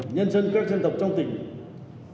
nhân dân các dân tộc trong tỉnh